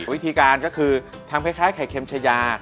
วิธีการก็คือทำคล้ายไข่เค็มชายา